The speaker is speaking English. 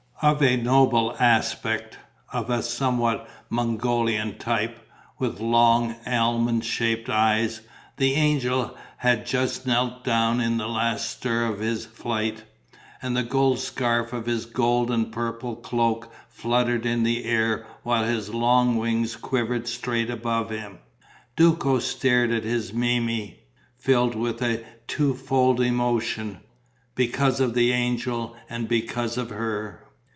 Of a noble aspect, of a somewhat Mongolian type, with long, almond shaped eyes, the angel had just knelt down in the last stir of his flight; and the gold scarf of his gold and purple cloak fluttered in the air while his long wings quivered straight above him. Duco stared at his Memmi, filled with a two fold emotion, because of the angel and because of her.